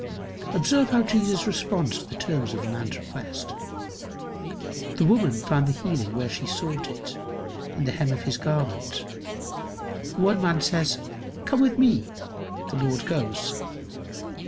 Observe how Jesus responds in the terms of the man's request. The woman found the healing where she sought it in the hem of his garment. One man says, "Come with me;" the Lord goes.